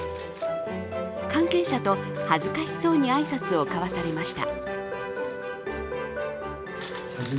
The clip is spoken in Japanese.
関係者と恥ずかしそうに挨拶を交わされました